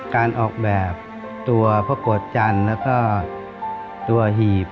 การออกแบบตัวพระโกรธจันทร์แล้วก็ตัวหีบ